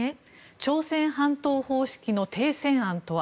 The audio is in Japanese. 朝鮮半島方式の停戦案とは。